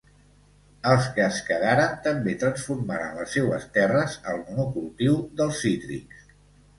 Els que es quedaren, també transformaren les seues terres al monocultiu dels cítrics.